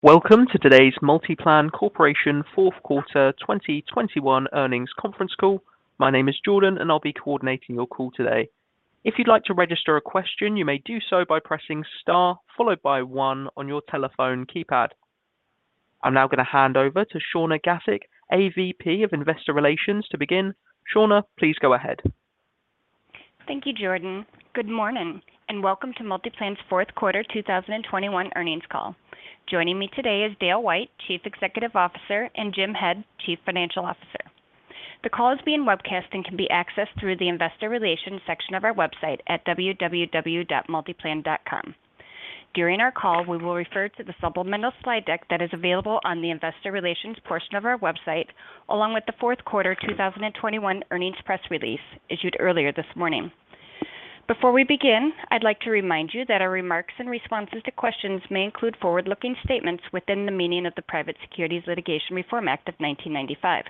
Welcome to today's MultiPlan Corporation Fourth Quarter 2021 Earnings Conference Call. My name is Jordan, and I'll be coordinating your call today. If you'd like to register a question, you may do so by pressing star, followed by one on your telephone keypad. I'm now gonna hand over to Shawna Gasik, AVP of Investor Relations, to begin. Shawna, please go ahead. Thank you, Jordan. Good morning, and welcome to MultiPlan's fourth quarter 2021 earnings call. Joining me today is Dale White, Chief Executive Officer, and Jim Head, Chief Financial Officer. The call is being webcast and can be accessed through the Investor Relations section of our website at www.multiplan.com. During our call, we will refer to the supplemental slide deck that is available on the Investor Relations portion of our website, along with the fourth quarter 2021 earnings press release issued earlier this morning. Before we begin, I'd like to remind you that our remarks and responses to questions may include forward-looking statements within the meaning of the Private Securities Litigation Reform Act of 1995.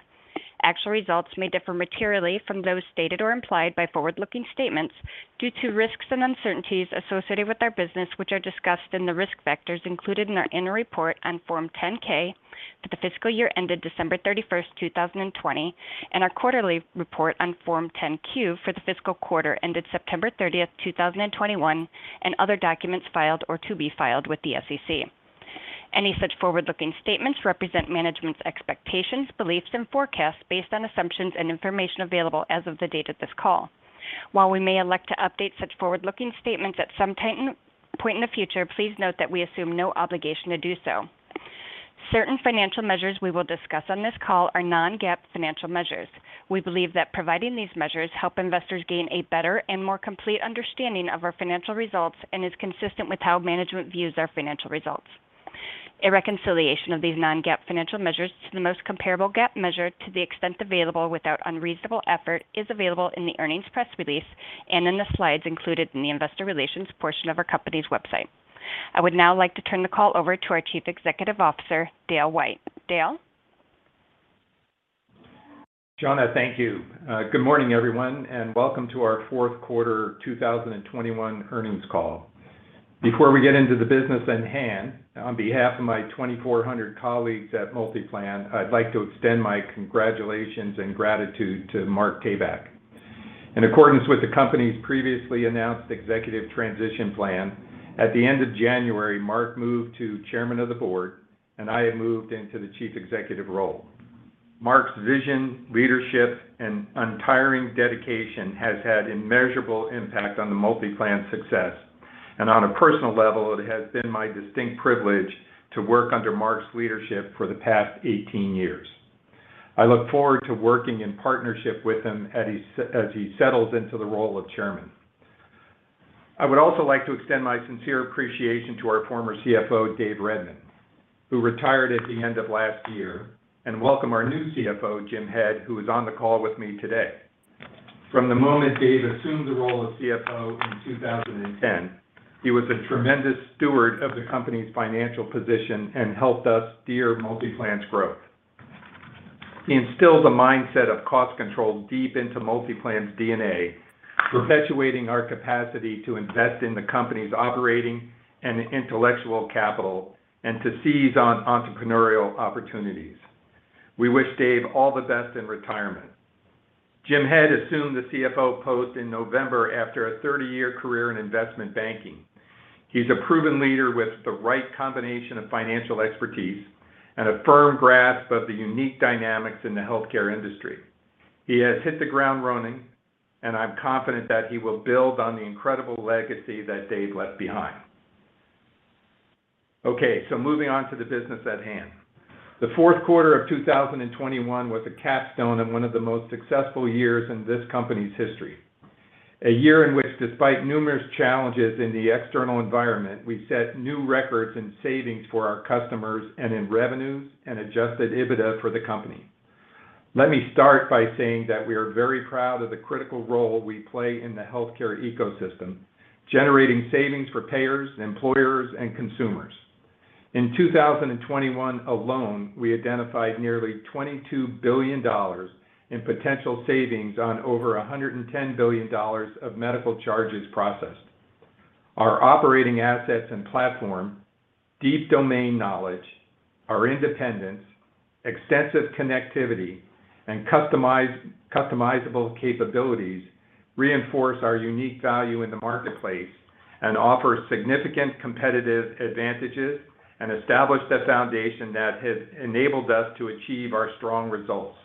Actual results may differ materially from those stated or implied by forward-looking statements due to risks and uncertainties associated with our business, which are discussed in the Risk Factors included in our annual report on Form 10-K for the fiscal year ended December 31, 2020, and our quarterly report on Form 10-Q for the fiscal quarter ended September 30, 2021, and other documents filed or to be filed with the SEC. Any such forward-looking statements represent management's expectations, beliefs, and forecasts based on assumptions and information available as of the date of this call. While we may elect to update such forward-looking statements at some point in the future, please note that we assume no obligation to do so. Certain financial measures we will discuss on this call are non-GAAP financial measures. We believe that providing these measures help investors gain a better and more complete understanding of our financial results and is consistent with how management views our financial results. A reconciliation of these non-GAAP financial measures to the most comparable GAAP measure to the extent available without unreasonable effort is available in the earnings press release and in the slides included in the Investor Relations portion of our company's website. I would now like to turn the call over to our Chief Executive Officer, Dale White. Dale? Shawna, thank you. Good morning, everyone, and welcome to our fourth quarter 2021 earnings call. Before we get into the business at hand, on behalf of my 2,400 colleagues at MultiPlan, I'd like to extend my congratulations and gratitude to Mark Tabak. In accordance with the company's previously announced executive transition plan, at the end of January, Mark moved to Chairman of the Board, and I have moved into the Chief Executive role. Mark's vision, leadership, and untiring dedication has had immeasurable impact on the MultiPlan's success. On a personal level, it has been my distinct privilege to work under Mark's leadership for the past 18 years. I look forward to working in partnership with him as he settles into the role of Chairman. I would also like to extend my sincere appreciation to our former CFO, Dave Redmond, who retired at the end of last year, and welcome our new CFO, Jim Head, who is on the call with me today. From the moment Dave assumed the role of CFO in 2010, he was a tremendous steward of the company's financial position and helped us steer MultiPlan's growth. He instills a mindset of cost control deep into MultiPlan's DNA, perpetuating our capacity to invest in the company's operating and intellectual capital and to seize on entrepreneurial opportunities. We wish Dave all the best in retirement. Jim Head assumed the CFO post in November after a 30-year career in investment banking. He's a proven leader with the right combination of financial expertise and a firm grasp of the unique dynamics in the healthcare industry. He has hit the ground running, and I'm confident that he will build on the incredible legacy that Dave left behind. Okay, moving on to the business at hand. The fourth quarter of 2021 was a capstone of one of the most successful years in this company's history. A year in which, despite numerous challenges in the external environment, we set new records and savings for our customers and in revenues and Adjusted EBITDA for the company. Let me start by saying that we are very proud of the critical role we play in the healthcare ecosystem, generating savings for payers, employers, and consumers. In 2021 alone, we identified nearly $22 billion in potential savings on over $110 billion of medical charges processed. Our operating assets and platform, deep domain knowledge, our independence, extensive connectivity, and customizable capabilities reinforce our unique value in the marketplace and offer significant competitive advantages and established a foundation that has enabled us to achieve our strong results.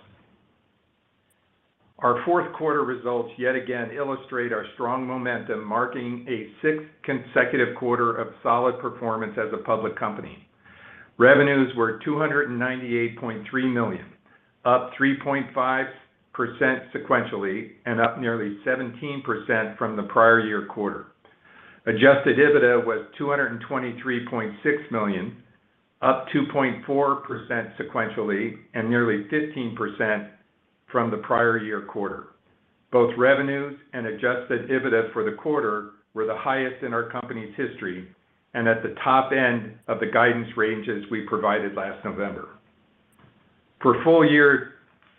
Our fourth quarter results yet again illustrate our strong momentum, marking a sixth consecutive quarter of solid performance as a public company. Revenues were $298.3 million, up 3.5% sequentially and up nearly 17% from the prior year quarter. Adjusted EBITDA was $223.6 million, up 2.4% sequentially and nearly 15% from the prior year quarter. Both revenues and Adjusted EBITDA for the quarter were the highest in our company's history and at the top end of the guidance ranges we provided last November. For full year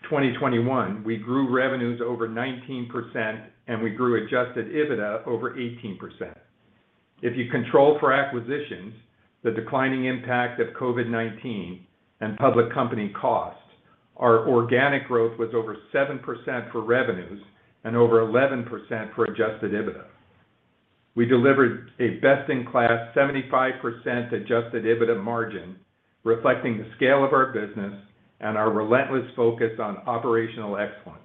2021, we grew revenues over 19% and we grew Adjusted EBITDA over 18%. If you control for acquisitions, the declining impact of COVID-19 and public company costs, our organic growth was over 7% for revenues and over 11% for Adjusted EBITDA. We delivered a best in class 75% Adjusted EBITDA margin, reflecting the scale of our business and our relentless focus on operational excellence.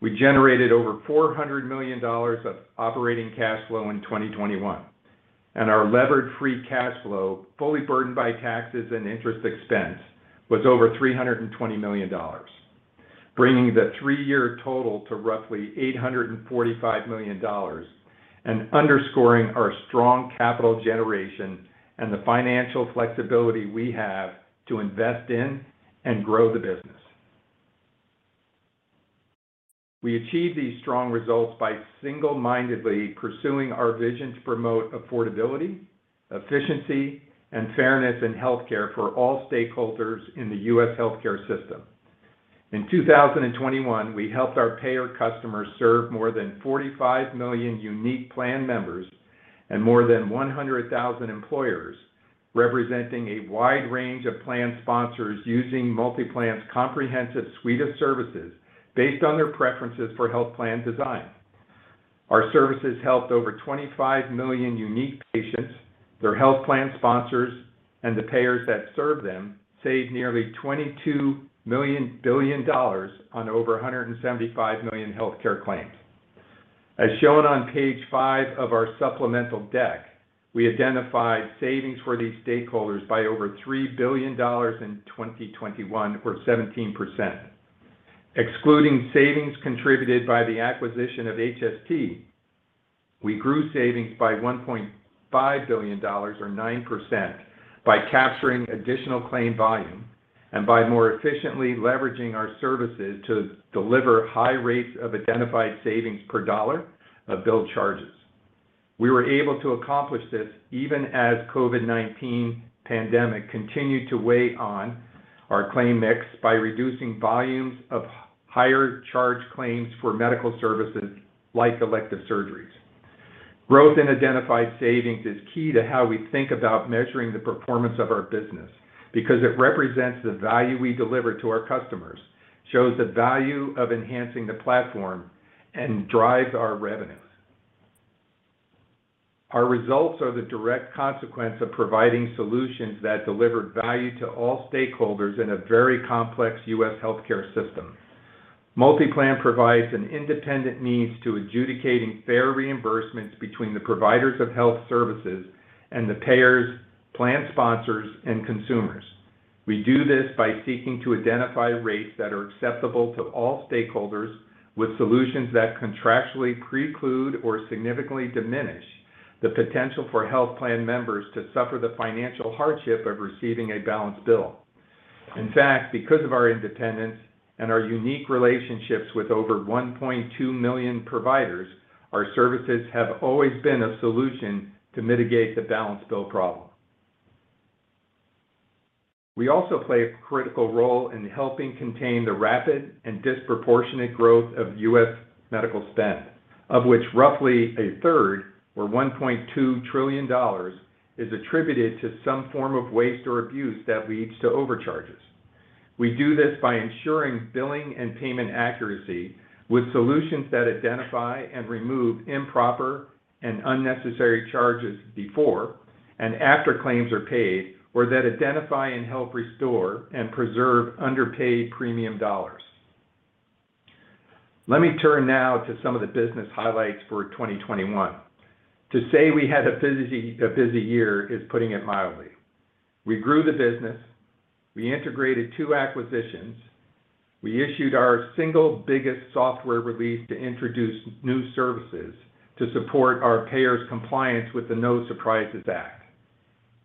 We generated over $400 million of operating cash flow in 2021, and our levered free cash flow, fully burdened by taxes and interest expense, was over $320 million, bringing the three-year total to roughly $845 million and underscoring our strong capital generation and the financial flexibility we have to invest in and grow the business. We achieve these strong results by single-mindedly pursuing our vision to promote affordability, efficiency, and fairness in healthcare for all stakeholders in the U.S. healthcare system. In 2021, we helped our payer customers serve more than 45 million unique plan members and more than 100,000 employers, representing a wide range of plan sponsors using MultiPlan's comprehensive suite of services based on their preferences for health plan design. Our services helped over 25 million unique patients, their health plan sponsors, and the payers that serve them saved nearly $22 billion on over 175 million healthcare claims. As shown on page five of our supplemental deck, we identified savings for these stakeholders by over $3 billion in 2021 or 17%. Excluding savings contributed by the acquisition of HST, we grew savings by $1.5 billion or 9% by capturing additional claim volume and by more efficiently leveraging our services to deliver high rates of identified savings per dollar of billed charges. We were able to accomplish this even as COVID-19 pandemic continued to weigh on our claim mix by reducing volumes of higher charge claims for medical services like elective surgeries. Growth in identified savings is key to how we think about measuring the performance of our business because it represents the value we deliver to our customers, shows the value of enhancing the platform, and drives our revenues. Our results are the direct consequence of providing solutions that delivered value to all stakeholders in a very complex U.S. healthcare system. MultiPlan provides an independent means to adjudicating fair reimbursements between the providers of health services and the payers, plan sponsors, and consumers. We do this by seeking to identify rates that are acceptable to all stakeholders with solutions that contractually preclude or significantly diminish the potential for health plan members to suffer the financial hardship of receiving a balanced bill. In fact, because of our independence and our unique relationships with over 1.2 million providers, our services have always been a solution to mitigate the balanced bill problem. We also play a critical role in helping contain the rapid and disproportionate growth of U.S. medical spend, of which roughly a third, or $1.2 trillion, is attributed to some form of waste or abuse that leads to overcharges. We do this by ensuring billing and payment accuracy with solutions that identify and remove improper and unnecessary charges before and after claims are paid, or that identify and help restore and preserve underpaid premium dollars. Let me turn now to some of the business highlights for 2021. To say we had a busy year is putting it mildly. We grew the business. We integrated two acquisitions. We issued our single biggest software release to introduce new services to support our payers' compliance with the No Surprises Act.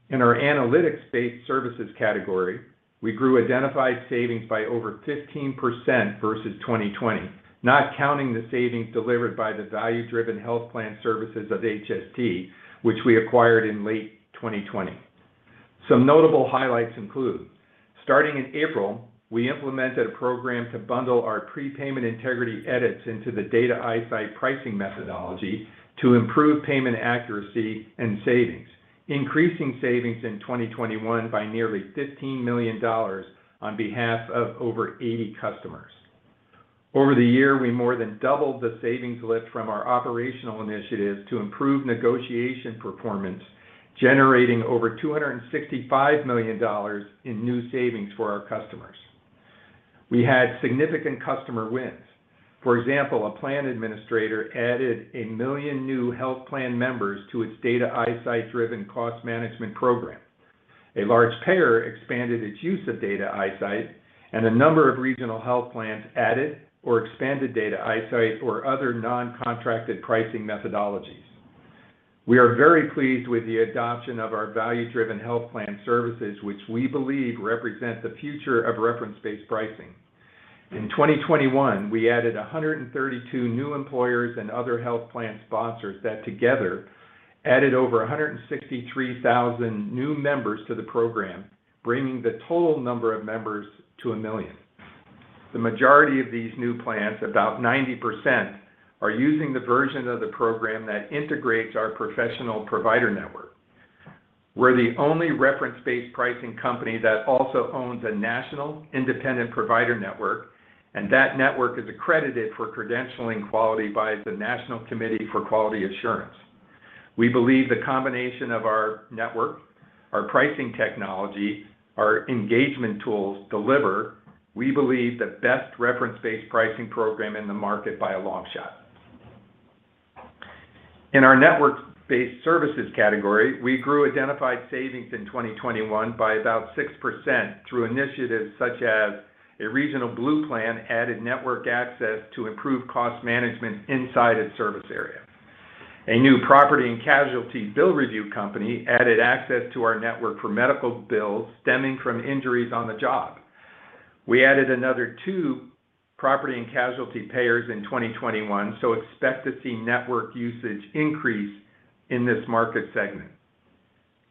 In our Analytics-Based Services category, we grew identified savings by over 15% versus 2020, not counting the savings delivered by the Value-Driven Health Plan services of HST, which we acquired in late 2020. Some notable highlights include. Starting in April, we implemented a program to bundle our prepayment integrity edits into the Data iSight pricing methodology to improve payment accuracy and savings, increasing savings in 2021 by nearly $15 million on behalf of over 80 customers. Over the year, we more than doubled the savings lift from our operational initiatives to improve negotiation performance, generating over $265 million in new savings for our customers. We had significant customer wins. For example, a plan administrator added 1 million new health plan members to its Data iSight driven cost management program. A large payer expanded its use of Data iSight, and a number of regional health plans added or expanded Data iSight or other non-contracted pricing methodologies. We are very pleased with the adoption of our Value-Driven Health Plan services, which we believe represent the future of reference-based pricing. In 2021, we added 132 new employers and other health plan sponsors that together added over 163,000 new members to the program, bringing the total number of members to 1 million. The majority of these new plans, about 90%, are using the version of the program that integrates our professional provider network. We're the only reference-based pricing company that also owns a national independent provider network, and that network is accredited for credentialing quality by the National Committee for Quality Assurance. We believe the combination of our network, our pricing technology, our engagement tools deliver, we believe, the best reference-based pricing program in the market by a long shot. In our Network-Based Services category, we grew identified savings in 2021 by about 6% through initiatives such as a regional Blue Cross plan added network access to improve cost management inside its service area. A new property and casualty bill review company added access to our network for medical bills stemming from injuries on the job. We added another two property and casualty payers in 2021, so expect to see network usage increase in this market segment.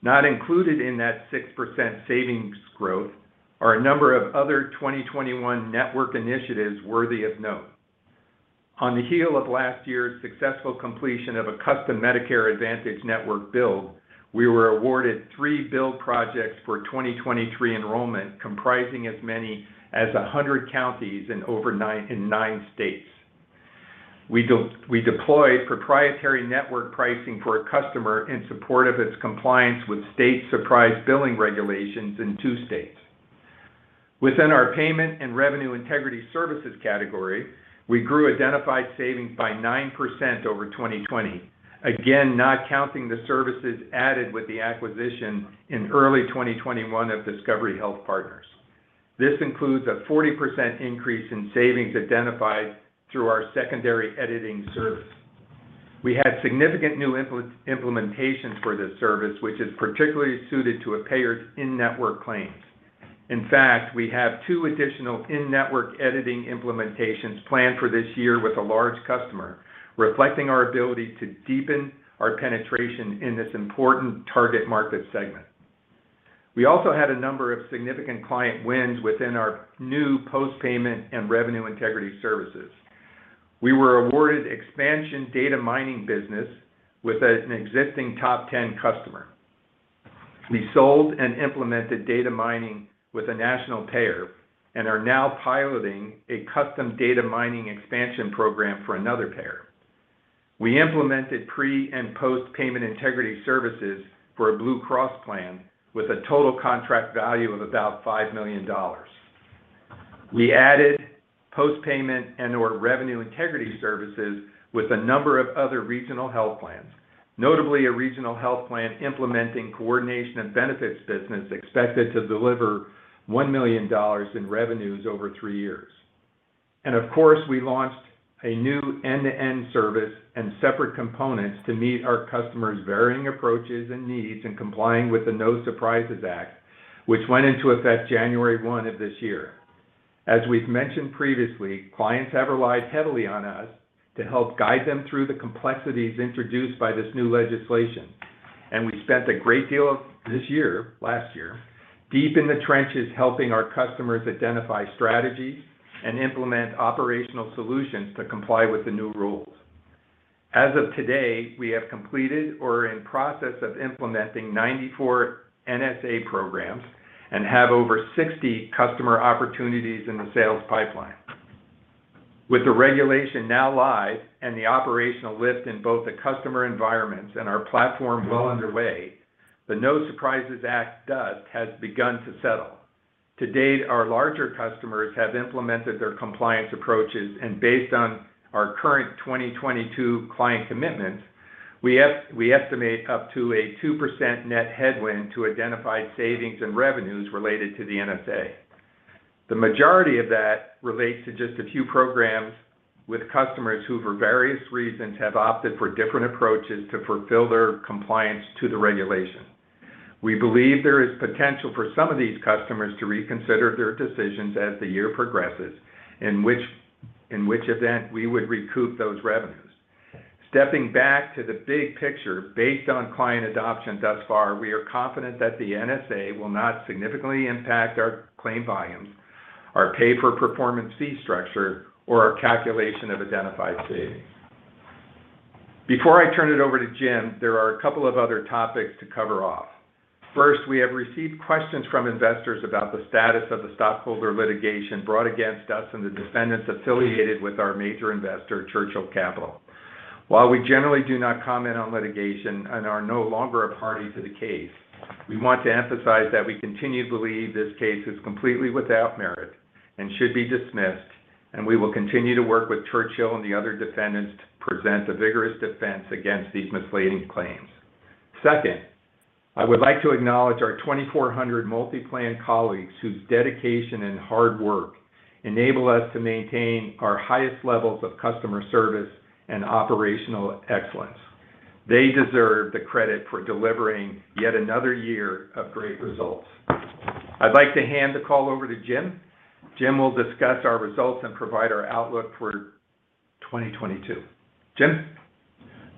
Not included in that 6% savings growth are a number of other 2021 network initiatives worthy of note. On the heels of last year's successful completion of a custom Medicare Advantage network build, we were awarded three build projects for 2023 enrollment comprising as many as 100 counties in nine states. We deployed proprietary network pricing for a customer in support of its compliance with state surprise billing regulations in two states. Within our Payment and Revenue Integrity Services category, we grew identified savings by 9% over 2020, again, not counting the services added with the acquisition in early 2021 of Discovery Health Partners. This includes a 40% increase in savings identified through our secondary editing service. We had significant new implementations for this service, which is particularly suited to a payer's in-network claims. In fact, we have two additional in-network editing implementations planned for this year with a large customer, reflecting our ability to deepen our penetration in this important target market segment. We also had a number of significant client wins within our new post-Payment and Revenue Integrity services. We were awarded expansion data mining business with an existing top 10 customer. We sold and implemented data mining with a national payer and are now piloting a custom data mining expansion program for another payer. We implemented pre- and post-Payment Integrity Services for a Blue Cross plan with a total contract value of about $5 million. We added post-payment and/or revenue integrity services with a number of other regional health plans, notably a regional health plan implementing coordination and benefits business expected to deliver $1 million in revenues over three years. Of course, we launched a new end-to-end service and separate components to meet our customers' varying approaches and needs in complying with the No Surprises Act, which went into effect January 1 of this year. As we've mentioned previously, clients have relied heavily on us to help guide them through the complexities introduced by this new legislation, and we spent a great deal of this year, last year, deep in the trenches helping our customers identify strategies and implement operational solutions to comply with the new rules. As of today, we have completed or are in process of implementing 94 NSA programs and have over 60 customer opportunities in the sales pipeline. With the regulation now live and the operational lift in both the customer environments and our platform well underway, the No Surprises Act dust has begun to settle. To date, our larger customers have implemented their compliance approaches, and based on our current 2022 client commitments, we estimate up to a 2% net headwind to identified savings and revenues related to the NSA. The majority of that relates to just a few programs with customers who, for various reasons, have opted for different approaches to fulfill their compliance to the regulation. We believe there is potential for some of these customers to reconsider their decisions as the year progresses, in which event we would recoup those revenues. Stepping back to the big picture, based on client adoption thus far, we are confident that the NSA will not significantly impact our claim volumes, our pay-for-performance fee structure, or our calculation of identified savings. Before I turn it over to Jim, there are a couple of other topics to cover off. First, we have received questions from investors about the status of the stockholder litigation brought against us and the defendants affiliated with our major investor, Churchill Capital. While we generally do not comment on litigation and are no longer a party to the case, we want to emphasize that we continue to believe this case is completely without merit and should be dismissed, and we will continue to work with Churchill and the other defendants to present a vigorous defense against these misleading claims. Second, I would like to acknowledge our 2,400 MultiPlan colleagues whose dedication and hard work enable us to maintain our highest levels of customer service and operational excellence. They deserve the credit for delivering yet another year of great results. I'd like to hand the call over to Jim. Jim will discuss our results and provide our outlook for 2022. Jim?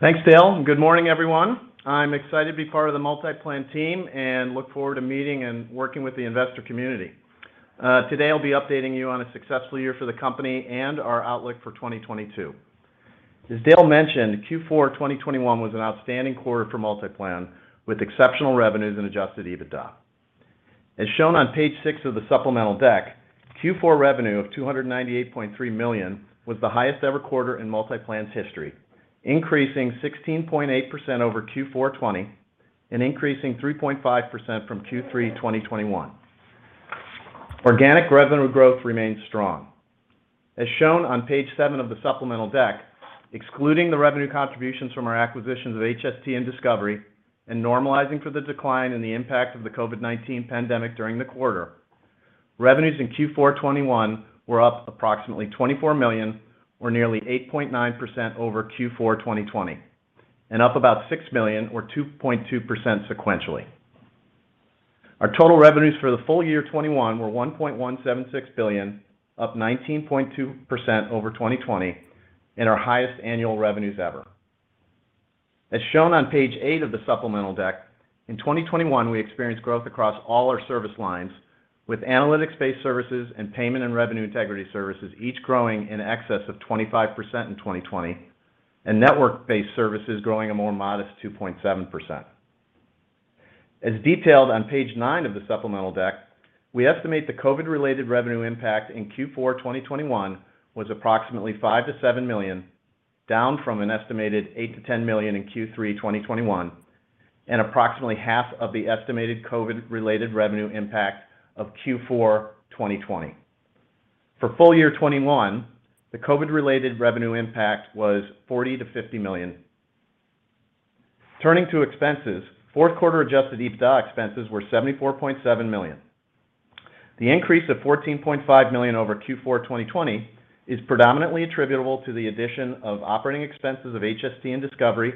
Thanks, Dale, and good morning, everyone. I'm excited to be part of the MultiPlan team and look forward to meeting and working with the investor community. Today I'll be updating you on a successful year for the company and our outlook for 2022. As Dale mentioned, Q4 2021 was an outstanding quarter for MultiPlan, with exceptional revenues and Adjusted EBITDA. As shown on page six of the supplemental deck, Q4 revenue of $298.3 million was the highest ever quarter in MultiPlan's history, increasing 16.8% over Q4 2020, and increasing 3.5% from Q3 2021. Organic revenue growth remains strong. As shown on page seven of the supplemental deck, excluding the revenue contributions from our acquisitions of HST and Discovery, and normalizing for the decline in the impact of the COVID-19 pandemic during the quarter, revenues in Q4 2021 were up approximately $24 million or nearly 8.9% over Q4 2020, and up about $6 million or 2.2% sequentially. Our total revenues for the full year 2021 were $1.176 billion, up 19.2% over 2020, and our highest annual revenues ever. As shown on page eight of the supplemental deck, in 2021 we experienced growth across all our service lines, with Analytics-Based Services and Payment and Revenue Integrity Services each growing in excess of 25% over 2020, and Network-Based Services growing a more modest 2.7%. As detailed on page nine of the supplemental deck, we estimate the COVID-related revenue impact in Q4 2021 was approximately $5 million-$7 million, down from an estimated $8 million-$10 million in Q3 2021, and approximately half of the estimated COVID-related revenue impact of Q4 2020. For full year 2021, the COVID-related revenue impact was $40 million-$50 million. Turning to expenses, fourth quarter Adjusted EBITDA expenses were $74.7 million. The increase of $14.5 million over Q4 2020 is predominantly attributable to the addition of operating expenses of HST and Discovery,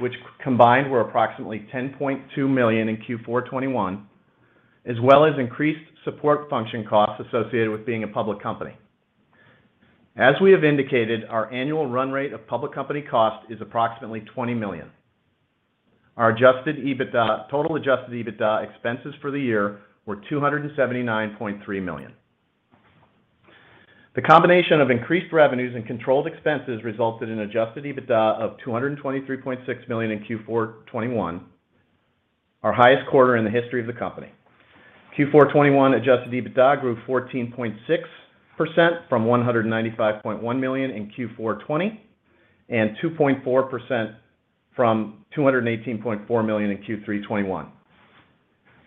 which combined were approximately $10.2 million in Q4 2021, as well as increased support function costs associated with being a public company. As we have indicated, our annual run rate of public company cost is approximately $20 million. Our Adjusted EBITDA, total Adjusted EBITDA expenses for the year were $279.3 million. The combination of increased revenues and controlled expenses resulted in Adjusted EBITDA of $223.6 million in Q4 2021, our highest quarter in the history of the company. Q4 2021 Adjusted EBITDA grew 14.6% from $195.1 million in Q4 2020, and 2.4% from $218.4 million in Q3 2021.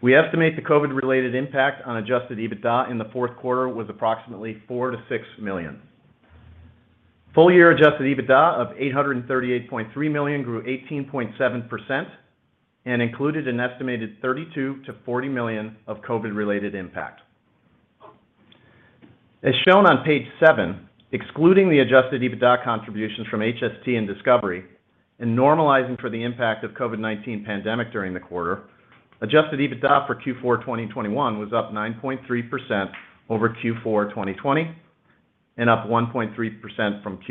We estimate the COVID-related impact on Adjusted EBITDA in the fourth quarter was approximately $4 million-$6 million. Full-year Adjusted EBITDA of $838.3 million grew 18.7% and included an estimated $32 million-$40 million of COVID-related impact. As shown on page seven, excluding the Adjusted EBITDA contributions from HST and Discovery, and normalizing for the impact of COVID-19 pandemic during the quarter, Adjusted EBITDA for Q4 2021 was up 9.3% over Q4 2020, and up 1.3% from Q3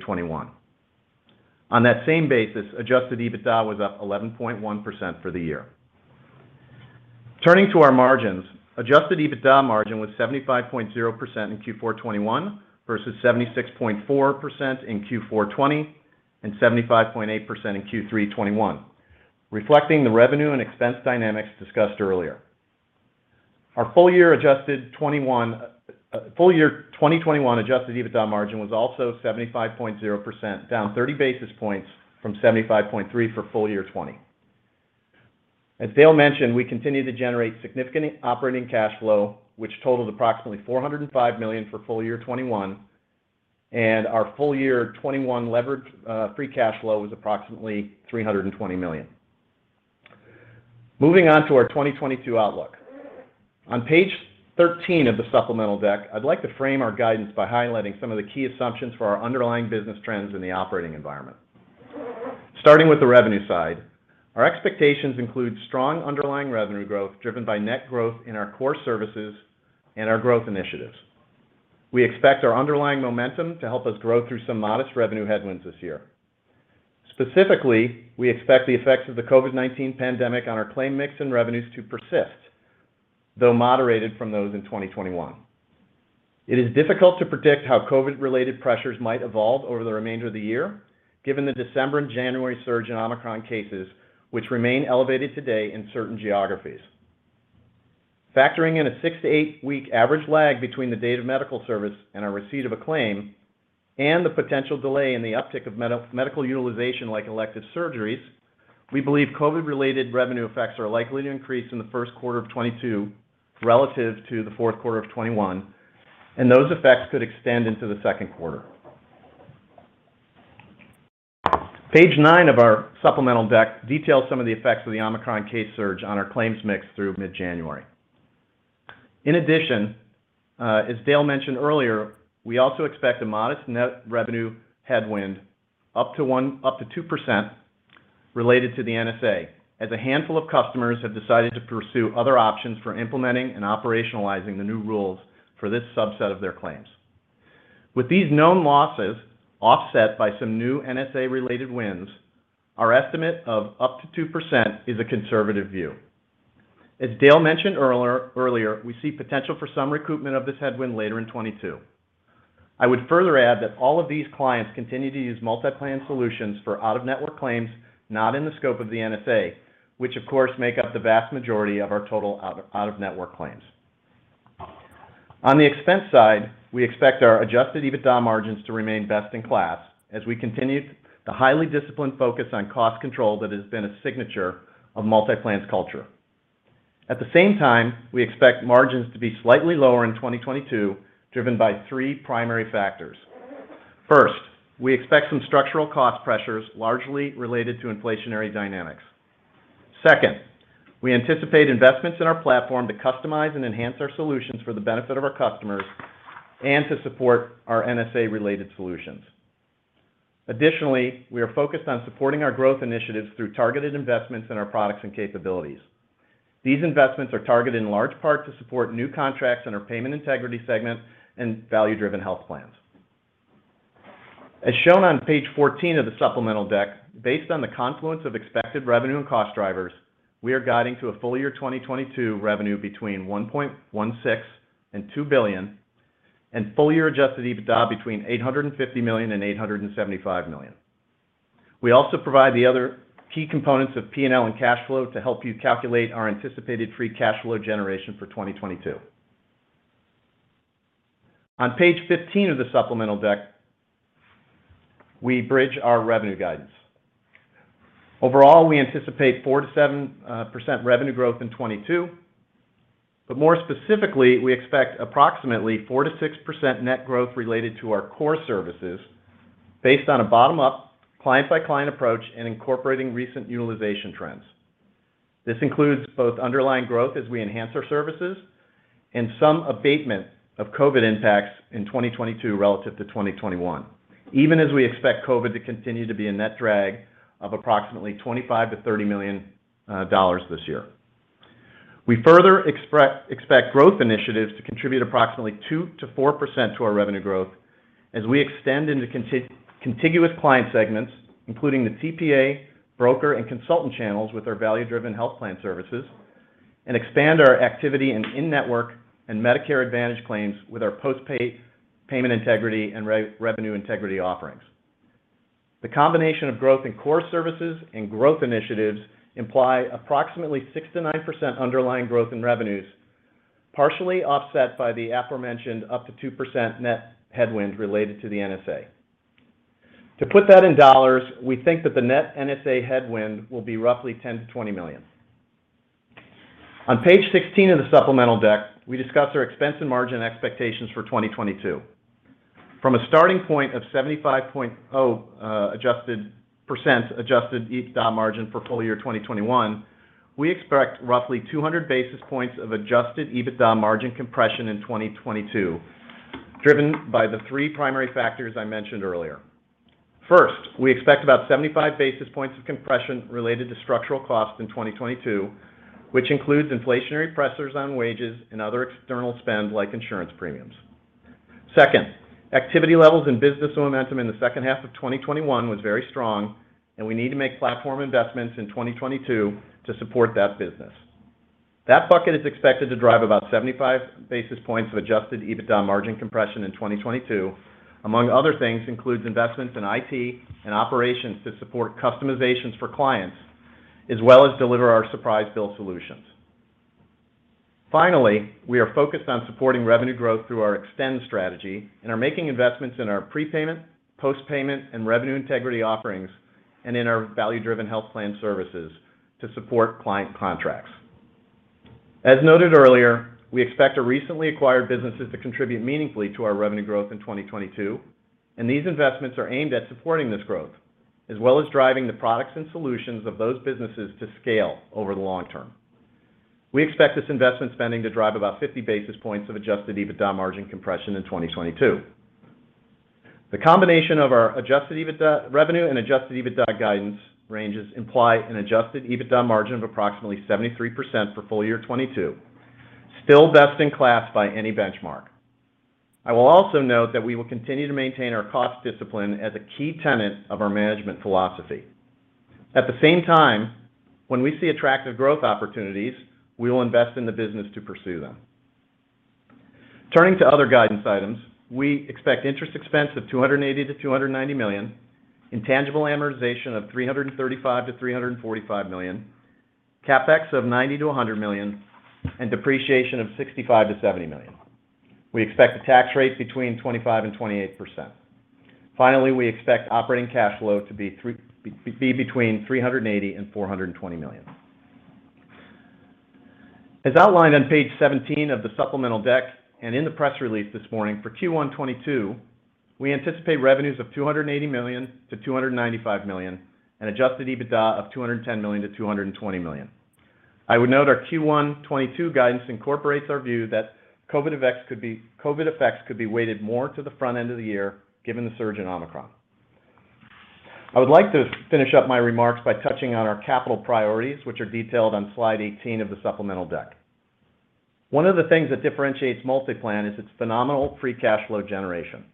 2021. On that same basis, Adjusted EBITDA was up 11.1% for the year. Turning to our margins, Adjusted EBITDA margin was 75.0% in Q4 2021 versus 76.4% in Q4 2020 and 75.8% in Q3 2021, reflecting the revenue and expense dynamics discussed earlier. Our full year 2021 Adjusted EBITDA margin was also 75.0%, down 30 basis points from 75.3% for full-year 2020. As Dale mentioned, we continue to generate significant operating cash flow, which totaled approximately $405 million for full year 2021, and our full year 2021 [levered] free cash flow was approximately $320 million. Moving on to our 2022 outlook. On page 13 of the supplemental deck, I'd like to frame our guidance by highlighting some of the key assumptions for our underlying business trends in the operating environment. Starting with the revenue side, our expectations include strong underlying revenue growth driven by net growth in our core services and our growth initiatives. We expect our underlying momentum to help us grow through some modest revenue headwinds this year. Specifically, we expect the effects of the COVID-19 pandemic on our claim mix and revenues to persist, though moderated from those in 2021. It is difficult to predict how COVID-related pressures might evolve over the remainder of the year, given the December and January surge in Omicron cases, which remain elevated today in certain geographies. Factoring in a six to eight-week average lag between the date of medical service and our receipt of a claim, and the potential delay in the uptick of medical utilization like elective surgeries, we believe COVID-related revenue effects are likely to increase in the first quarter of 2022 relative to the fourth quarter of 2021, and those effects could extend into the second quarter. Page nine of our supplemental deck details some of the effects of the Omicron case surge on our claims mix through mid-January. In addition, as Dale mentioned earlier, we also expect a modest net revenue headwind up to 2% related to the NSA, as a handful of customers have decided to pursue other options for implementing and operationalizing the new rules for this subset of their claims. With these known losses offset by some new NSA related wins, our estimate of up to 2% is a conservative view. As Dale mentioned earlier, we see potential for some recoupment of this headwind later in 2022. I would further add that all of these clients continue to use MultiPlan solutions for out-of-network claims not in the scope of the NSA, which of course make up the vast majority of our total out-of-network claims. On the expense side, we expect our Adjusted EBITDA margins to remain best in class as we continue the highly disciplined focus on cost control that has been a signature of MultiPlan's culture. At the same time, we expect margins to be slightly lower in 2022, driven by three primary factors. First, we expect some structural cost pressures largely related to inflationary dynamics. Second, we anticipate investments in our platform to customize and enhance our solutions for the benefit of our customers and to support our NSA related solutions. Additionally, we are focused on supporting our growth initiatives through targeted investments in our products and capabilities. These investments are targeted in large part to support new contracts in our Payment Integrity segment and Value-Driven Health Plan. As shown on page 14 of the supplemental deck, based on the confluence of expected revenue and cost drivers, we are guiding to a full-year 2022 revenue between $1.16 billion-$2 billion, and full-year Adjusted EBITDA between $850 million-$875 million. We also provide the other key components of P&L and cash flow to help you calculate our anticipated free cash flow generation for 2022. On page 15 of the supplemental deck, we bridge our revenue guidance. Overall, we anticipate 4%-7% revenue growth in 2022, but more specifically, we expect approximately 4%-6% net growth related to our core services based on a bottom-up client-by-client approach and incorporating recent utilization trends. This includes both underlying growth as we enhance our services and some abatement of COVID impacts in 2022 relative to 2021, even as we expect COVID to continue to be a net drag of approximately $25 million-$30 million this year. We further expect growth initiatives to contribute approximately 2%-4% to our revenue growth as we extend into contiguous client segments, including the TPA, broker, and consultant channels with our Value-Driven Health Plan services, and expand our activity in-network and Medicare Advantage claims with our post-pay payment integrity and revenue integrity offerings. The combination of growth in core services and growth initiatives imply approximately 6%-9% underlying growth in revenues, partially offset by the aforementioned up to 2% net headwind related to the NSA. To put that in dollars, we think that the net NSA headwind will be roughly $10 million-$20 million. On page 16 of the supplemental deck, we discuss our expense and margin expectations for 2022. From a starting point of 75.0% Adjusted EBITDA margin for full year 2021, we expect roughly 200 basis points of Adjusted EBITDA margin compression in 2022, driven by the three primary factors I mentioned earlier. First, we expect about 75 basis points of compression related to structural costs in 2022, which includes inflationary pressures on wages and other external spend like insurance premiums. Second, activity levels and business momentum in the second half of 2021 was very strong, and we need to make platform investments in 2022 to support that business. That bucket is expected to drive about 75 basis points of Adjusted EBITDA margin compression in 2022, among other things, includes investments in IT and operations to support customizations for clients, as well as deliver our surprise bill solutions. Finally, we are focused on supporting revenue growth through our Extend strategy and are making investments in our prepayment, post-payment, and revenue integrity offerings, and in our Value-Driven Health Plan services to support client contracts. As noted earlier, we expect our recently acquired businesses to contribute meaningfully to our revenue growth in 2022, and these investments are aimed at supporting this growth, as well as driving the products and solutions of those businesses to scale over the long term. We expect this investment spending to drive about 50 basis points of Adjusted EBITDA margin compression in 2022. The combination of our Adjusted EBITDA revenue and Adjusted EBITDA guidance ranges imply an Adjusted EBITDA margin of approximately 73% for full year 2022, still best in class by any benchmark. I will also note that we will continue to maintain our cost discipline as a key tenet of our management philosophy. At the same time, when we see attractive growth opportunities, we will invest in the business to pursue them. Turning to other guidance items, we expect interest expense of $280 million-$290 million, intangible amortization of $335 million-$345 million, CapEx of $90 million-$100 million, and depreciation of $65 million-$70 million. We expect a tax rate between 25% and 28%. Finally, we expect operating cash flow to be between $380 million and $420 million. As outlined on page 17 of the supplemental deck and in the press release this morning for Q1 2022. We anticipate revenues of $280 million-$295 million and Adjusted EBITDA of $210 million-$220 million. I would note our Q1 2022 guidance incorporates our view that COVID effects could be weighted more to the front end of the year given the surge in Omicron. I would like to finish up my remarks by touching on our capital priorities, which are detailed on slide 18 of the supplemental deck. One of the things that differentiates MultiPlan is its phenomenal free cash flow generation.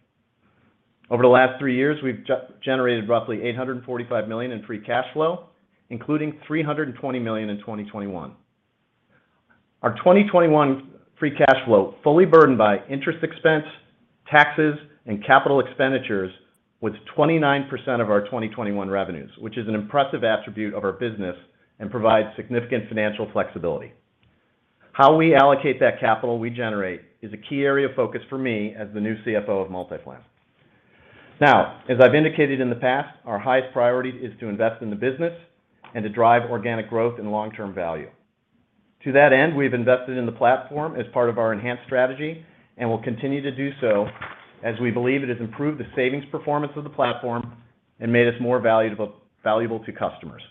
Over the last three years, we've generated roughly $845 million in free cash flow, including $320 million in 2021. Our 2021 free cash flow fully burdened by interest expense, taxes, and capital expenditures was 29% of our 2021 revenues, which is an impressive attribute of our business and provides significant financial flexibility. How we allocate that capital we generate is a key area of focus for me as the new CFO of MultiPlan. Now, as I've indicated in the past, our highest priority is to invest in the business and to drive organic growth and long-term value. To that end, we've invested in the platform as part of our enhanced strategy and will continue to do so as we believe it has improved the savings performance of the platform and made us more valuable to customers.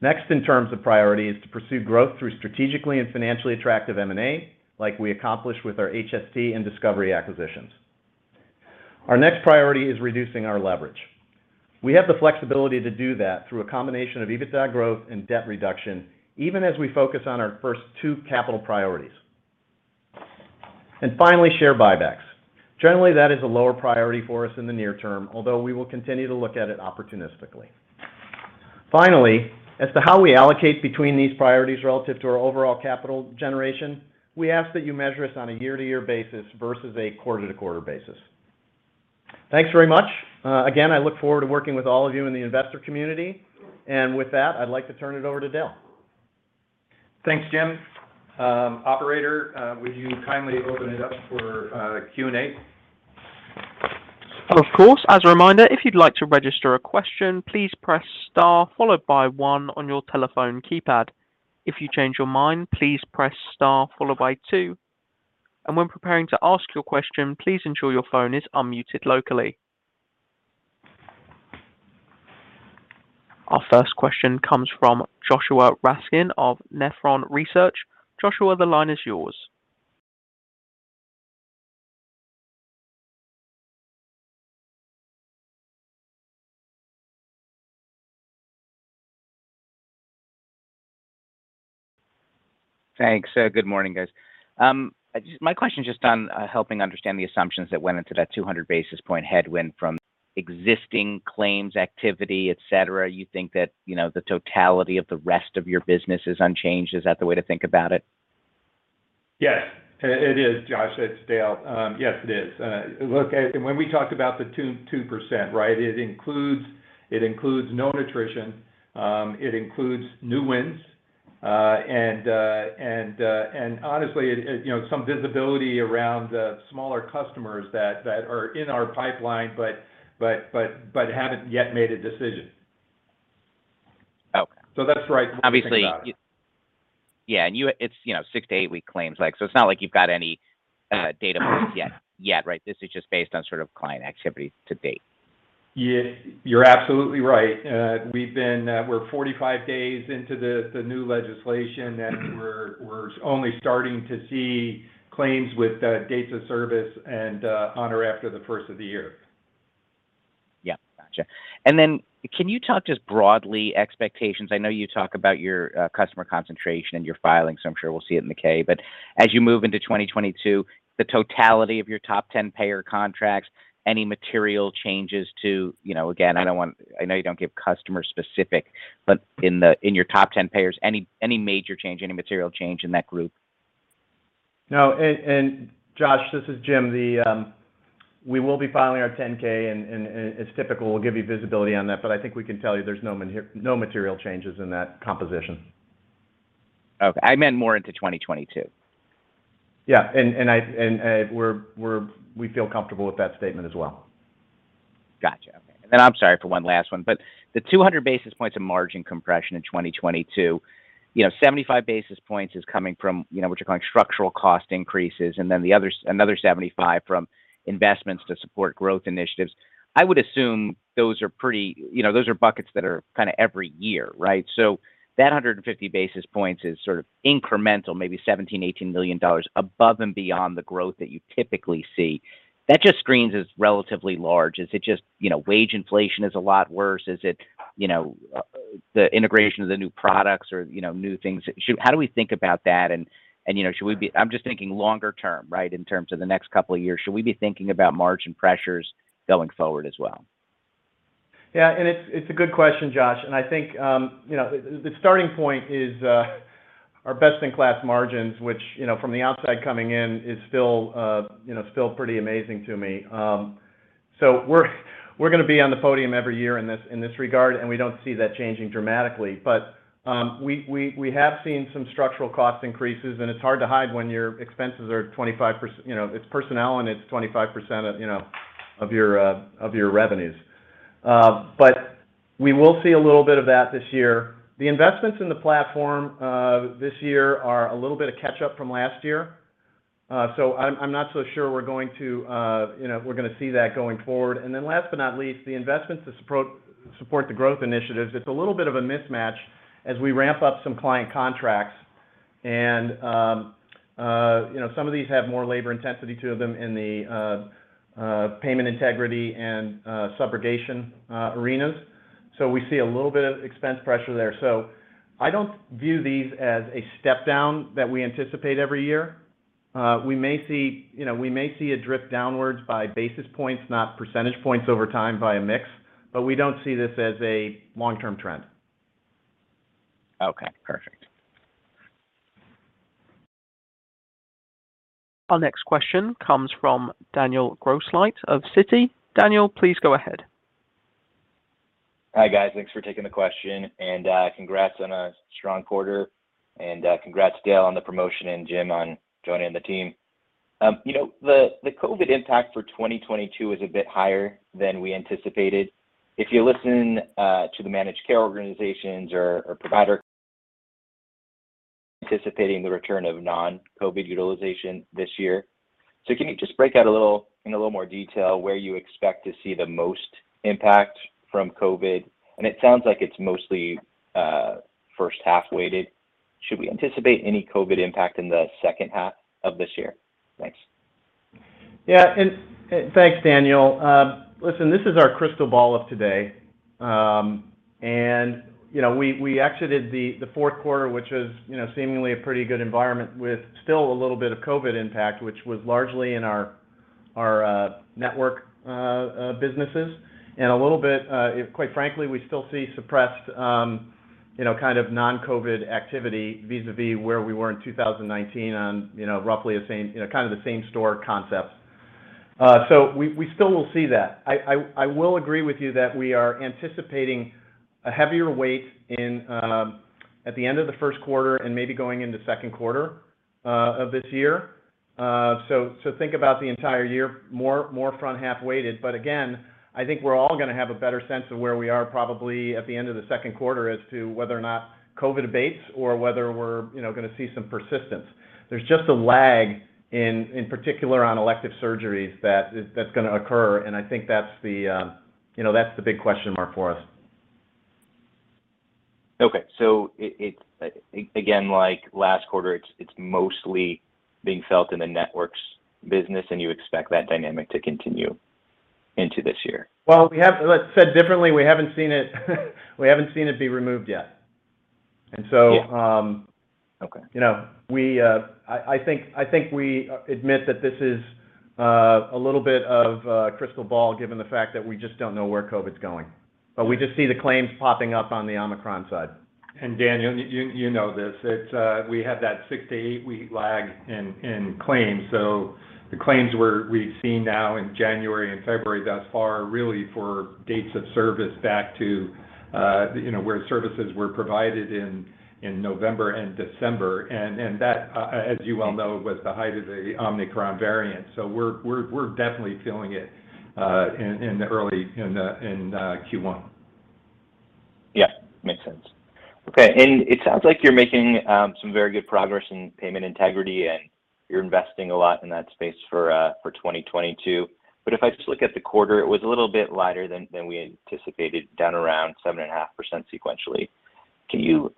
Next, in terms of priority is to pursue growth through strategically and financially attractive M&A, like we accomplished with our HST and Discovery acquisitions. Our next priority is reducing our leverage. We have the flexibility to do that through a combination of EBITDA growth and debt reduction, even as we focus on our first two capital priorities. Finally, share buybacks. Generally, that is a lower priority for us in the near term, although we will continue to look at it opportunistically. Finally, as to how we allocate between these priorities relative to our overall capital generation, we ask that you measure us on a year-to-year basis versus a quarter-to-quarter basis. Thanks very much. Again, I look forward to working with all of you in the investor community. With that, I'd like to turn it over to Dale. Thanks, Jim. Operator, would you kindly open it up for Q&A? Of course. As a reminder, if you'd like to register a question, please press star followed by one on your telephone keypad. If you change your mind, please press star followed by two. When preparing to ask your question, please ensure your phone is unmuted locally. Our first question comes from Joshua Raskin of Nephron Research. Joshua, the line is yours. Thanks. Good morning, guys. My question just on helping understand the assumptions that went into that 200 basis point headwind from existing claims activity, et cetera. You think that, you know, the totality of the rest of your business is unchanged. Is that the way to think about it? Yes, it is, Josh. It's Dale. Yes, it is. Look, when we talk about the 2%, right, it includes known attrition, it includes new wins, and honestly, it, you know, some visibility around smaller customers that are in our pipeline but haven't yet made a decision. Okay. That's right when you think about it. It's, you know, six to eight-week claims. Like, so it's not like you've got any data points yet, right? This is just based on sort of client activity to date. Yeah. You're absolutely right. We're 45 days into the new legislation, and we're only starting to see claims with dates of service on or after the first of the year. Yeah. Gotcha. Then can you talk just broadly expectations? I know you talk about your customer concentration and your filings, so I'm sure we'll see it in the 10-K. As you move into 2022, the totality of your top 10 payer contracts, any material changes to? You know, again, I don't want. I know you don't give customer specific, but in the, in your top 10 payers, any major change, any material change in that group? No. Josh, this is Jim. We will be filing our 10-K and, as typical, we'll give you visibility on that. I think we can tell you there's no material changes in that composition. Okay. I meant more into 2022. Yeah. We feel comfortable with that statement as well. Gotcha. Okay. I'm sorry for one last one. The 200 basis points of margin compression in 2022, you know, 75 basis points is coming from, you know, what you're calling structural cost increases, and then the other, another 75 from investments to support growth initiatives. I would assume those are pretty. You know, those are buckets that are kinda every year, right? So that 150 basis points is sort of incremental, maybe $17 million-$18 million above and beyond the growth that you typically see. That just seems as relatively large. Is it just, you know, wage inflation is a lot worse? Is it, you know, the integration of the new products or, you know, new things that should. How do we think about that? You know, I'm just thinking longer term, right, in terms of the next couple of years. Should we be thinking about margin pressures going forward as well? It's a good question, Josh. I think, you know, the starting point is our best in class margins, which, you know, from the outside coming in is still pretty amazing to me. So we're gonna be on the podium every year in this regard, and we don't see that changing dramatically. We have seen some structural cost increases, and it's hard to hide when your expenses are 25%, you know. It's personnel, and it's 25% of your revenues. We will see a little bit of that this year. The investments in the platform this year are a little bit of catch up from last year. I'm not so sure we're going to, you know, we're gonna see that going forward. Last but not least, the investments to support the growth initiatives, it's a little bit of a mismatch as we ramp up some client contracts and, you know, some of these have more labor intensity to them in the Payment Integrity and Subrogation arenas. We see a little bit of expense pressure there. I don't view these as a step down that we anticipate every year. We may see, you know, we may see a drift downwards by basis points, not percentage points over time by a mix, but we don't see this as a long-term trend. Okay, perfect. Our next question comes from Daniel Grosslight of Citi. Daniel, please go ahead. Hi guys. Thanks for taking the question and, congrats on a strong quarter, and, congrats Dale on the promotion, and Jim on joining the team. You know, the COVID impact for 2022 is a bit higher than we anticipated if you listen to the managed care organizations or provider anticipating the return of non-COVID utilization this year. Can you just break out a little, in a little more detail where you expect to see the most impact from COVID? It sounds like it's mostly first half weighted. Should we anticipate any COVID impact in the second half of this year? Thanks. Thanks, Daniel. Listen, this is our crystal ball of today. You know, we exited the fourth quarter, which was, you know, seemingly a pretty good environment with still a little bit of COVID impact, which was largely in our network businesses. A little bit, quite frankly, we still see suppressed, you know, kind of non-COVID activity vis-à-vis where we were in 2019 on, you know, roughly the same, you know, kind of the same store concept. So we still will see that. I will agree with you that we are anticipating a heavier weight in at the end of the first quarter and maybe going into second quarter of this year. So think about the entire year, more front half weighted. Again, I think we're all gonna have a better sense of where we are probably at the end of the second quarter as to whether or not COVID abates or whether we're, you know, gonna see some persistence. There's just a lag in particular on elective surgeries that's gonna occur, and I think that's the, you know, that's the big question mark for us. Okay. It again, like last quarter, it's mostly being felt in the networks business and you expect that dynamic to continue into this year? Said differently, we haven't seen it be removed yet. Yeah. And so, um- Okay. You know, I think we admit that this is a little bit of crystal ball given the fact that we just don't know where COVID's going. We just see the claims popping up on the Omicron side. Daniel, you know this. It's we have that six-to-eight-week lag in claims. The claims we've seen now in January and February thus far are really for dates of service back to, you know, where services were provided in November and December. That, as you well know, was the height of the Omicron variant. We're definitely feeling it in the early in Q1. Yeah. Makes sense. Okay. It sounds like you're making some very good progress in Payment Integrity, and you're investing a lot in that space for 2022. If I just look at the quarter, it was a little bit lighter than we anticipated, down around 7.5% sequentially. Can you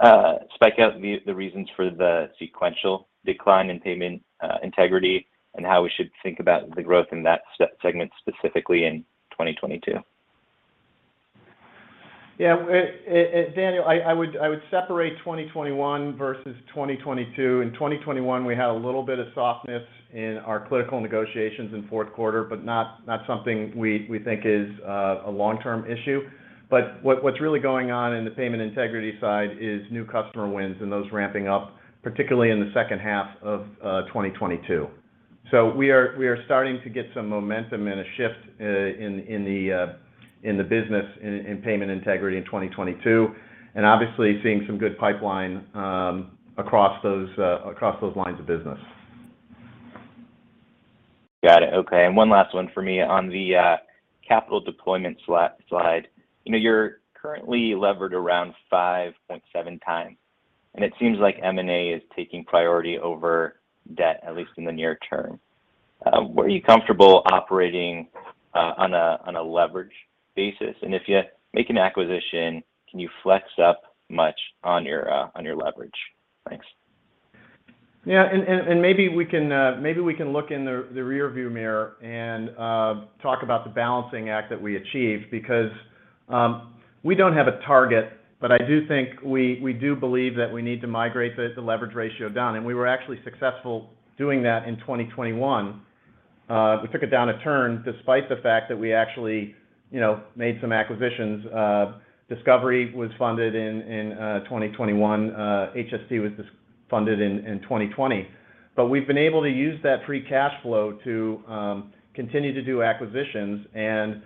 break out the reasons for the sequential decline in Payment Integrity and how we should think about the growth in that segment specifically in 2022? Yeah. Daniel, I would separate 2021 versus 2022. In 2021, we had a little bit of softness in our clinical negotiations in fourth quarter, but not something we think is a long-term issue. What's really going on in the Payment Integrity side is new customer wins and those ramping up, particularly in the second half of 2022. We are starting to get some momentum and a shift in the business in Payment Integrity in 2022, and obviously seeing some good pipeline across those lines of business. Got it. Okay. One last one for me on the capital deployment slide. You know, you're currently levered around 5.7x, and it seems like M&A is taking priority over debt, at least in the near term. Were you comfortable operating on a leverage basis? And if you make an acquisition, can you flex up much on your leverage? Thanks. Yeah. Maybe we can look in the rearview mirror and talk about the balancing act that we achieved because we don't have a target, but I do think we do believe that we need to migrate the leverage ratio down, and we were actually successful doing that in 2021. We took it down a turn despite the fact that we actually, you know, made some acquisitions. Discovery was funded in 2021, HST was funded in 2020. We've been able to use that free cash flow to continue to do acquisitions and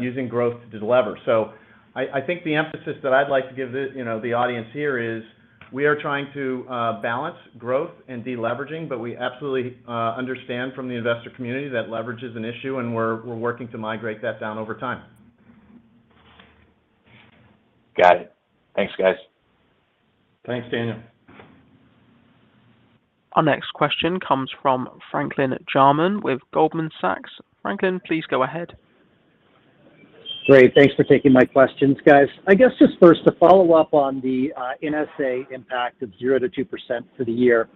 using growth to delever. I think the emphasis that I'd like to give, you know, the audience here is. We are trying to balance growth and deleveraging, but we absolutely understand from the investor community that leverage is an issue, and we're working to migrate that down over time. Got it. Thanks, guys. Thanks, Daniel. Our next question comes from Franklin Jarman with Goldman Sachs. Franklin, please go ahead. Great. Thanks for taking my questions, guys. I guess just first to follow up on the NSA impact of 0%-2% for the year.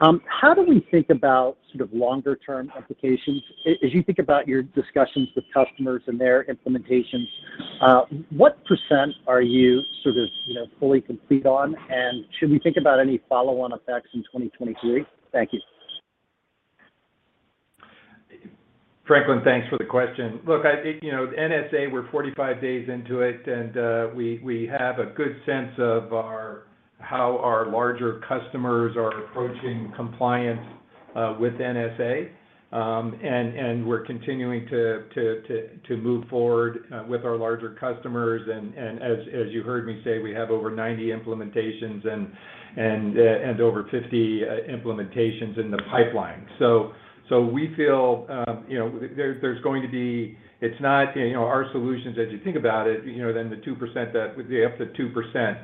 How do we think about sort of longer term implications? As you think about your discussions with customers and their implementations, what percent are you sort of, you know, fully complete on? Should we think about any follow-on effects in 2023? Thank you. Frank, thanks for the question. Look, I think, you know, NSA, we're 45 days into it, and we have a good sense of how our larger customers are approaching compliance with NSA. We're continuing to move forward with our larger customers. As you heard me say, we have over 90 implementations and over 50 implementations in the pipeline. We feel, you know, there's going to be. It's not, you know, our solutions as you think about it, you know, up to 2%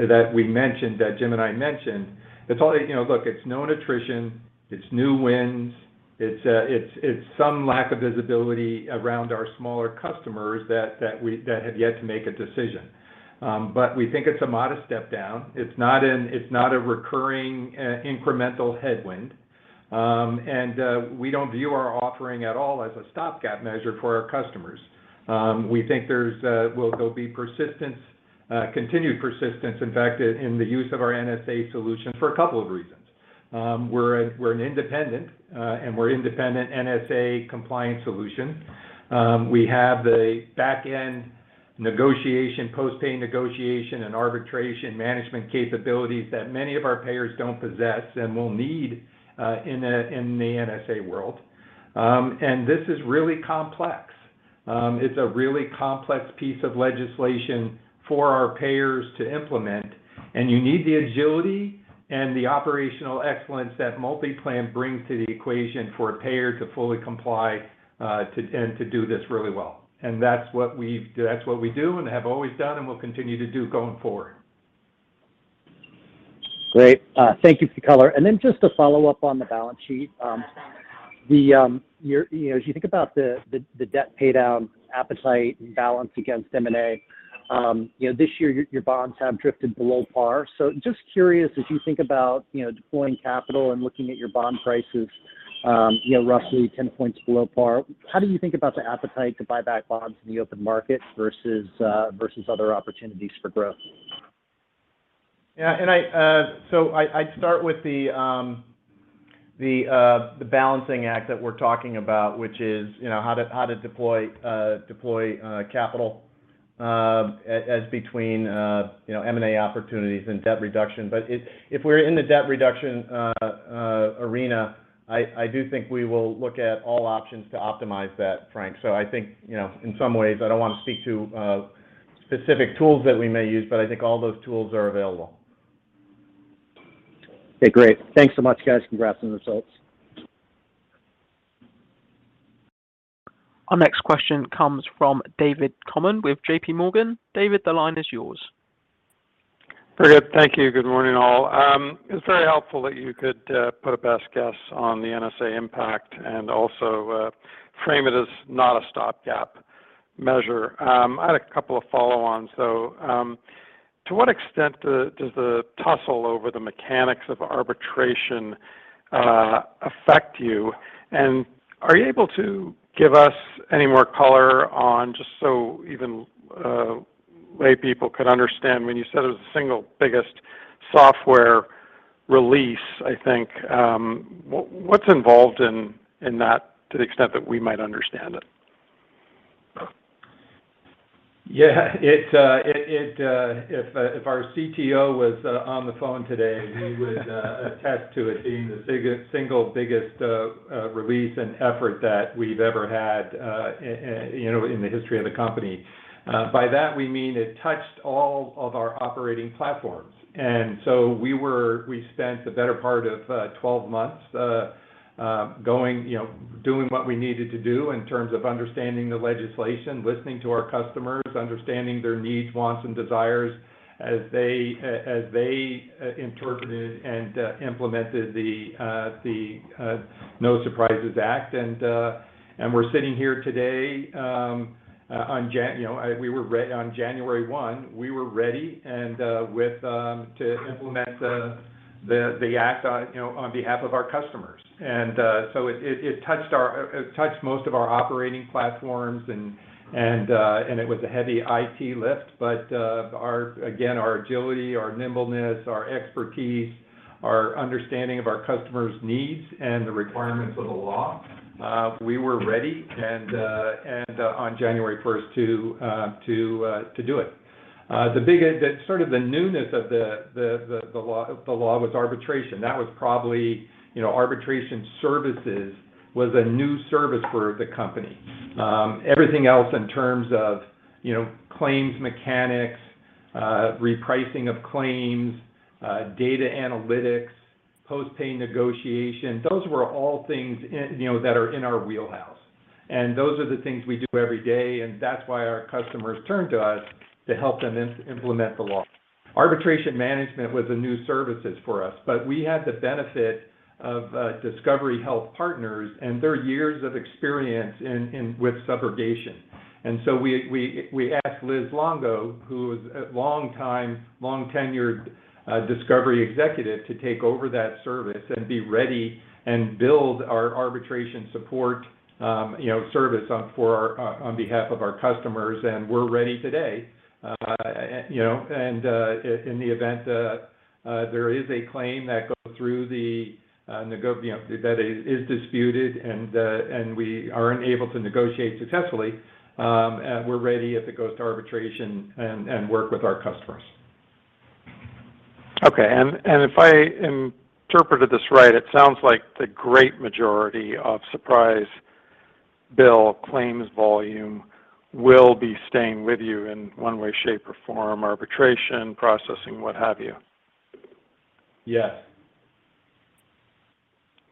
that we mentioned, that Jim and I mentioned. It's all. You know, look, it's known attrition, it's new wins, it's some lack of visibility around our smaller customers that we have yet to make a decision. We think it's a modest step down. It's not a recurring incremental headwind. We don't view our offering at all as a stopgap measure for our customers. We think there'll be persistence, continued persistence, in fact, in the use of our NSA solution for a couple of reasons. We're an independent, and we're independent NSA compliance solution. We have the back-end negotiation, post-pay negotiation and arbitration management capabilities that many of our payers don't possess and will need in the NSA world. This is really complex. It's a really complex piece of legislation for our payers to implement, and you need the agility and the operational excellence that MultiPlan brings to the equation for a payer to fully comply, and to do this really well. That's what we do and have always done and will continue to do going forward. Great. Thank you for color. Just to follow up on the balance sheet. You know, as you think about the debt pay down appetite and balance against M&A, you know, this year your bonds have drifted below par. Just curious, as you think about, you know, deploying capital and looking at your bond prices, you know, roughly 10 points below par, how do you think about the appetite to buy back bonds in the open market versus other opportunities for growth? I'd start with the balancing act that we're talking about, which is, you know, how to deploy capital as between, you know, M&A opportunities and debt reduction. If we're in the debt reduction arena, I do think we will look at all options to optimize that, Frank. I think, you know, in some ways, I don't want to speak to specific tools that we may use, but I think all those tools are available. Okay, great. Thanks so much, guys. Congrats on the results. Our next question comes from David Common with JPMorgan. David, the line is yours. Very good. Thank you. Good morning, all. It's very helpful that you could put a best guess on the NSA impact and also frame it as not a stopgap measure. I had a couple of follow-ons, though. To what extent does the tussle over the mechanics of arbitration affect you? And are you able to give us any more color on, just so even lay people could understand, when you said it was the single biggest software release, I think, what's involved in that to the extent that we might understand it? Yeah, if our CTO was on the phone today, he would attest to it being the single biggest release and effort that we've ever had, you know, in the history of the company. By that we mean it touched all of our operating platforms. We spent the better part of 12 months going, you know, doing what we needed to do in terms of understanding the legislation, listening to our customers, understanding their needs, wants, and desires as they interpreted and implemented the No Surprises Act. We're sitting here today, you know, on January first, we were ready and with to implement the act, you know, on behalf of our customers. It touched most of our operating platforms and it was a heavy IT lift. Our again, our agility, our nimbleness, our expertise, our understanding of our customers' needs and the requirements of the law, we were ready and on January first to do it. Sort of the newness of the law, the law was arbitration. That was probably, you know, arbitration services was a new service for the company. Everything else in terms of, you know, claims, mechanics, repricing of claims, data analytics, post-pay negotiation, those were all things in, you know, that are in our wheelhouse. Those are the things we do every day, and that's why our customers turn to us to help them implement the law. Arbitration management was a new service for us, but we had the benefit of Discovery Health Partners and their years of experience with subrogation. We asked Liz Longo, who is a longtime, long-tenured Discovery executive, to take over that service and be ready and build our arbitration support service on behalf of our customers, and we're ready today. You know in the event there is a claim that goes through the, you know, that is disputed and we aren't able to negotiate successfully, we're ready if it goes to arbitration and work with our customers. Okay. If I interpreted this right, it sounds like the great majority of surprise bill claims volume will be staying with you in one way, shape, or form, arbitration, processing, what have you. Yes.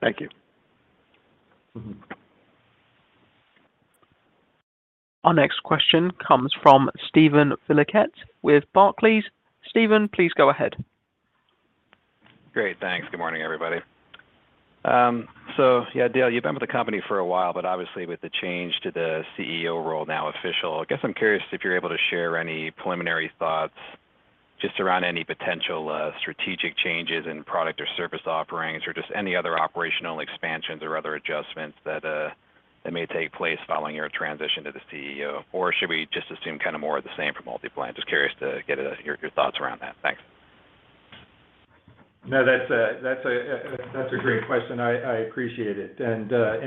Thank you. Mm-hmm. Our next question comes from Steven Valiquette with Barclays. Steven, please go ahead. Great. Thanks. Good morning, everybody. So yeah, Dale, you've been with the company for a while, but obviously with the change to the CEO role now official, I guess I'm curious if you're able to share any preliminary thoughts just around any potential strategic changes in product or service offerings or just any other operational expansions or other adjustments that may take place following your transition to the CEO, or should we just assume kinda more of the same for MultiPlan? Just curious to hear your thoughts around that. Thanks. No, that's a great question. I appreciate it.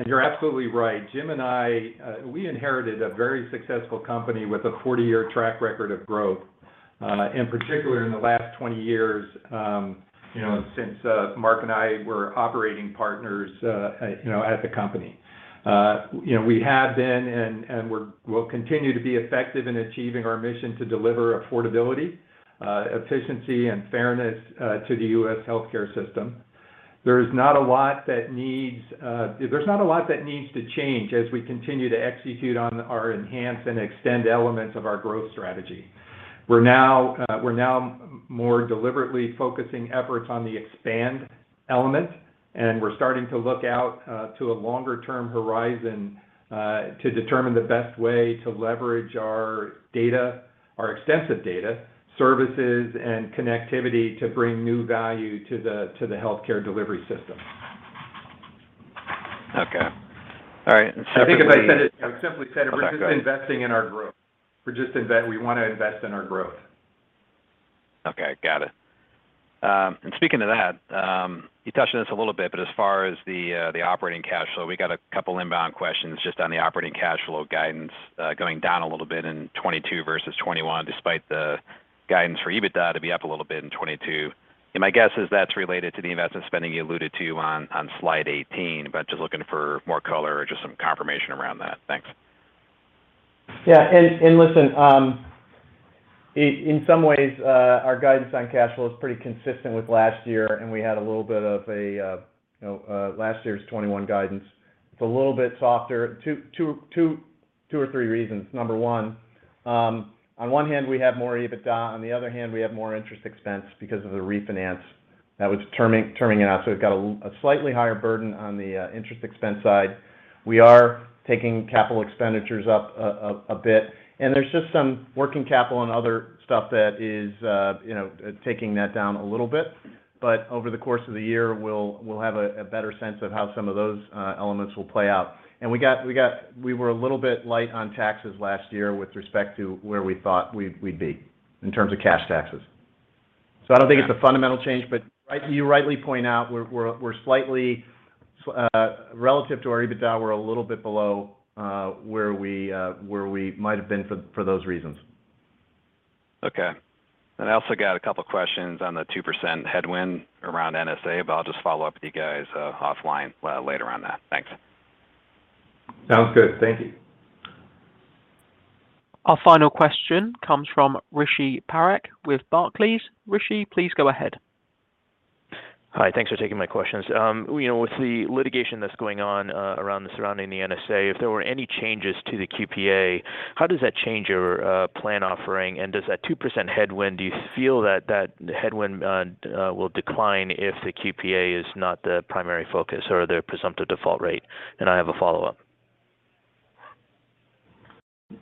You're absolutely right. Jim and I, we inherited a very successful company with a 40-year track record of growth, in particular in the last 20 years, you know, since Mark and I were operating partners, you know, at the company. You know, we have been and we will continue to be effective in achieving our mission to deliver affordability, efficiency, and fairness to the U.S. healthcare system. There's not a lot that needs to change as we continue to execute on our enhanced and extend elements of our growth strategy. We're now more deliberately focusing efforts on the expand element, and we're starting to look out to a longer-term horizon to determine the best way to leverage our data, our extensive data, services, and connectivity to bring new value to the healthcare delivery system. Okay. All right. Secondly- I think if I said it, you know, simply said, we're just investing in our growth. We wanna invest in our growth. Okay. Got it. Speaking of that, you touched on this a little bit, but as far as the operating cash flow, we got a couple inbound questions just on the operating cash flow guidance going down a little bit in 2022 versus 2021 despite the guidance for EBITDA to be up a little bit in 2022. My guess is that's related to the investment spending you alluded to on slide 18. Just looking for more color or just some confirmation around that. Thanks. In some ways, our guidance on cash flow is pretty consistent with last year, and we had a little bit of a last year's 2021 guidance. It's a little bit softer for two or three reasons. Number one, on one hand, we have more EBITDA, on the other hand, we have more interest expense because of the refinance that was terming it out. We've got a slightly higher burden on the interest expense side. We are taking capital expenditures up a bit, and there's just some working capital and other stuff that is taking that down a little bit. Over the course of the year, we'll have a better sense of how some of those elements will play out. We were a little bit light on taxes last year with respect to where we thought we'd be in terms of cash taxes. I don't think it's a fundamental change, but you rightly point out we're slightly relative to our EBITDA, we're a little bit below where we might have been for those reasons. Okay. I also got a couple questions on the 2% headwind around NSA, but I'll just follow up with you guys offline later on that. Thanks. Sounds good. Thank you. Our final question comes from Rishi Parekh with Barclays. Rishi, please go ahead. Hi. Thanks for taking my questions. You know, with the litigation that's going on surrounding the NSA, if there were any changes to the QPA, how does that change your plan offering? Does that 2% headwind, do you feel that headwind will decline if the QPA is not the primary focus or the presumptive default rate? I have a follow-up.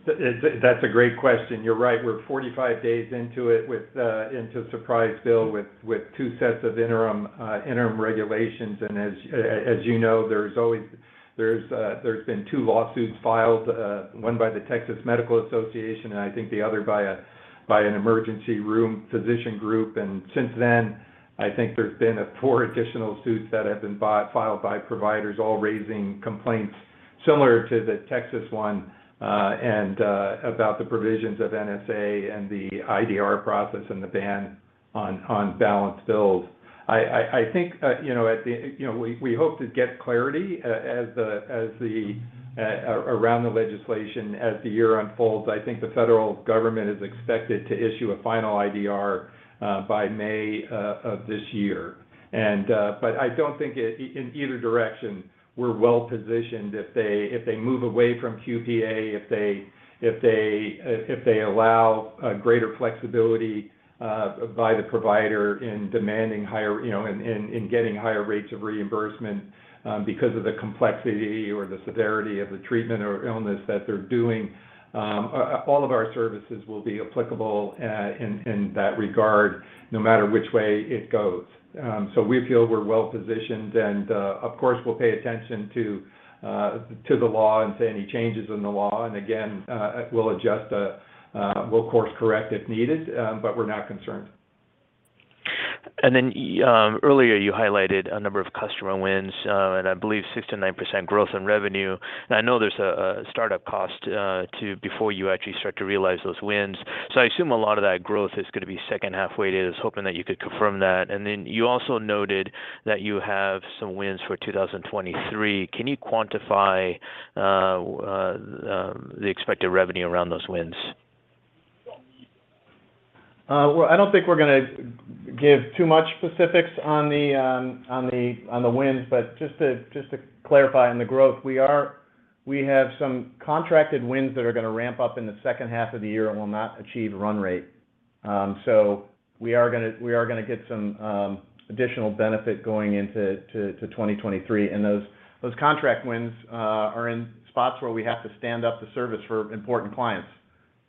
That's a great question. You're right, we're 45 days into the No Surprises Act with two sets of interim regulations. As you know, there's been two lawsuits filed, one by the Texas Medical Association, and I think the other by an emergency room physician group. Since then, I think there's been four additional suits that have been filed by providers, all raising complaints similar to the Texas one, and about the provisions of NSA and the IDR process and the ban on balance billing. I think, you know, we hope to get clarity around the legislation as the year unfolds. I think the federal government is expected to issue a final IDR by May of this year. But I don't think in either direction, we're well-positioned. If they move away from QPA, if they allow greater flexibility by the provider in demanding higher, you know, in getting higher rates of reimbursement because of the complexity or the severity of the treatment or illness that they're doing, all of our services will be applicable in that regard, no matter which way it goes. So we feel we're well-positioned, and of course, we'll pay attention to the law and to any changes in the law. Again, we'll adjust, we'll course-correct if needed, but we're not concerned. Earlier, you highlighted a number of customer wins, and I believe 69% growth in revenue. I know there's a startup cost before you actually start to realize those wins. I assume a lot of that growth is gonna be second half-weighted. I was hoping that you could confirm that. You also noted that you have some wins for 2023. Can you quantify the expected revenue around those wins? Well, I don't think we're gonna give too much specifics on the wins, but just to clarify on the growth, we have some contracted wins that are gonna ramp up in the second half of the year and will not achieve run rate. So we are gonna get some additional benefit going into 2023. Those contract wins are in spots where we have to stand up the service for important clients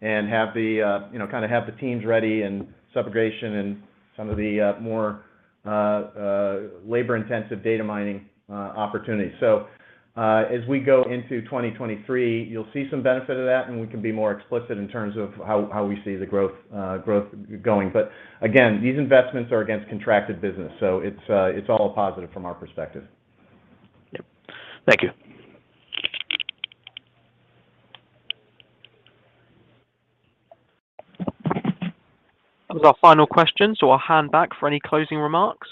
and have the, you know, kind of have the teams ready in subrogation and some of the more labor-intensive data mining opportunities. As we go into 2023, you'll see some benefit of that, and we can be more explicit in terms of how we see the growth going. Again, these investments are against contracted business, so it's all a positive from our perspective. Yep. Thank you. That was our final question, so I'll hand back for any closing remarks.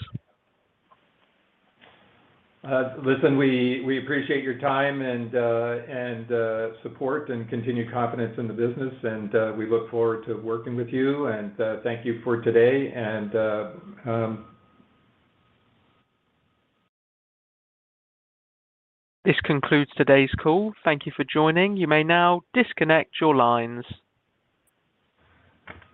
Listen, we appreciate your time and support and continued confidence in the business. We look forward to working with you, and thank you for today. This concludes today's call. Thank you for joining. You may now disconnect your lines.